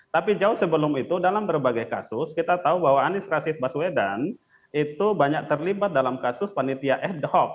tapi jauh sebelum itu dalam berbagai kasus kita tahu bahwa anies rashid baswedan itu banyak terlibat dalam kasus panitia ad hoc